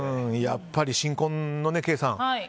やっぱり新婚のケイさん